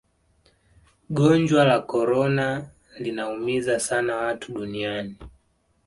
gonjwa la korona linaumiza sana watu duniani